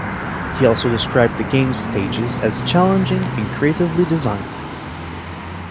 He also described the game's stages as "challenging and creatively designed".